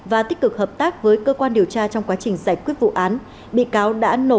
và tích cực hợp tác với cơ quan điều tra trong quá trình giải quyết vụ án